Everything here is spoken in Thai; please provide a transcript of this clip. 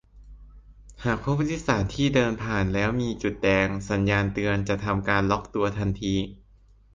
"หากพบผู้โดยสารที่เดินผ่านแล้วมีจุดแดง สัญญาณเตือน จะทำการล็อคตัวทันที"